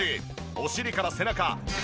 お尻から背中肩